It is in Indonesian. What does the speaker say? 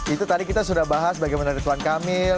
itu tadi kita sudah bahas bagaimana dengan tuan kamil